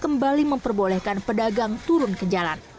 memperolehkan pedagang turun ke jalan